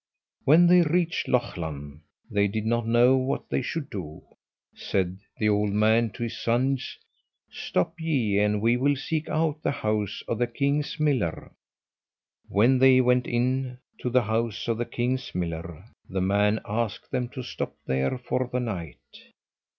When they reached Lochlann they did not know what they should do. Said the old man to his sons, "Stop ye, and we will seek out the house of the king's miller." When they went into the house of the king's miller, the man asked them to stop there for the night.